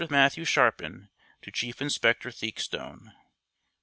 MATTHEW SHARPIN TO CHIEF INSPECTOR THEAKSTONE.